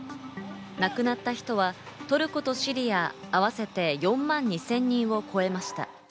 亡くなった人はトルコとシリア、合わせて４万２０００人を超えました。